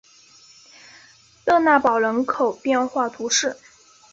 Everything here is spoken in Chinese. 勒讷堡人口变化图示